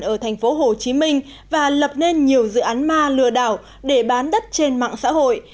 ở thành phố hồ chí minh và lập nên nhiều dự án ma lừa đảo để bán đất trên mạng xã hội